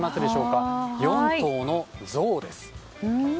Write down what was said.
４頭のゾウです。